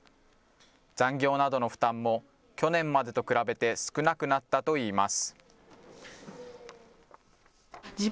残業などの負担も、去年までと比べて少なくなったといいます。